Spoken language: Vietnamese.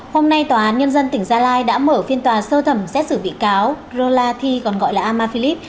hôm nay tòa án nhân dân tỉnh gia lai đã mở phiên tòa sơ thẩm xét xử bị cáo rolati còn gọi là ama philip